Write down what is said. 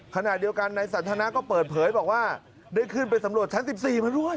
ขณะเดียวกันในสันทนาก็เปิดเผยบอกว่าได้ขึ้นไปสำรวจชั้น๑๔มาด้วย